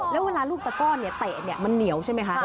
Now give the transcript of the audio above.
แล้วเวลาลูกตะก้อนเตะเนี่ยมันเหนียวใช่ไหมคะ